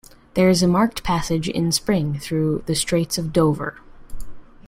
There is a marked passage in spring through the Straits of Dover.